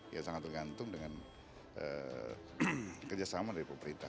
ya sangat tergantung dengan kerjasama dari pemerintah